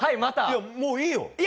もういいよ。